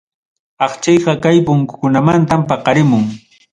Akchiyqa kay puykunamantam paqarimun.